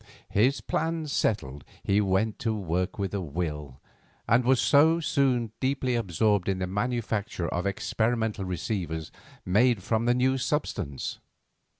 His plans settled, he went to work with a will, and was soon deeply absorbed in the manufacture of experimental receivers made from the new substance.